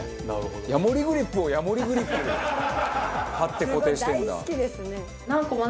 ヤモリグリップをヤモリグリップで貼って固定してるんだ。